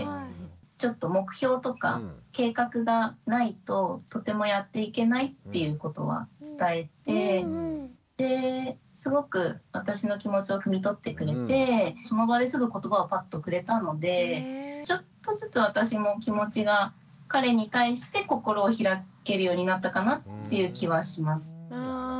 ちょっと目標とか計画がないととてもやっていけないっていうことは伝えてですごく私の気持ちをくみ取ってくれてその場ですぐ言葉をパッとくれたのでちょっとずつ私も気持ちが彼に対して心を開けるようになったかなっていう気はします。